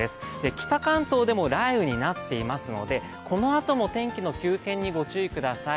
北関東でも雷雨になっていますので、このあとも天気の急変にご注意ください。